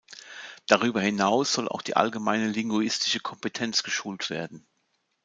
Darüber hinaus soll auch die allgemeine linguistische Kompetenz geschult werden.